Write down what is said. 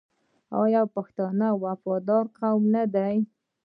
آیا پښتون یو وفادار قوم نه دی؟